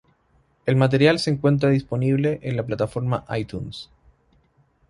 El material se encuentra disponible en la plataforma iTunes.